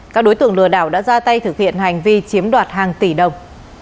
các đối tượng lừa đảo đã ra tay thực hiện hành vi chiếm đoạt hàng tỷ đồng